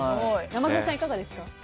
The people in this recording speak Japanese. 山添さん、いかがですか。